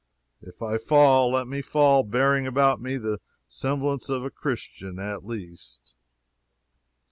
If I fall, let me fall bearing about me the semblance of a Christian, at least.